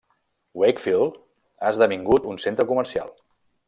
Wakefield ha esdevingut un centre comercial.